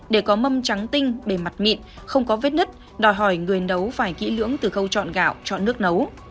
để có mâm trắng tinh bề mặt mịn không có vết nứt đòi hỏi người nấu phải kỹ lưỡng từ khâu chọn gạo chọn nước nấu